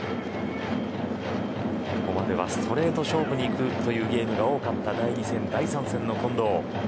ここまではストレート勝負に行くゲームが多かった第２戦、第３戦の近藤。